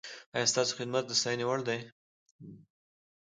ایا ستاسو خدمت د ستاینې وړ دی؟